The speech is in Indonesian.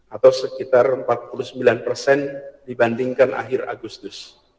atau sekitar empat puluh sembilan persen dibandingkan akhir agustus